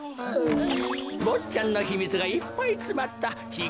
ぼっちゃんのひみつがいっぱいつまったちぃ